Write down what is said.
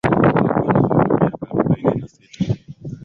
Alikuwa na umri wa miaka arobaini na sita